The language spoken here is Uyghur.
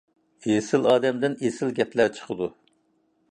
ئېسىل ئادەمدىن ئېسىل گەپلەر چىقىدۇ.